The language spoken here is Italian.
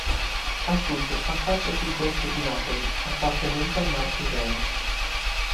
A sud affaccia sul golfo di Napoli, appartenente al Mar Tirreno.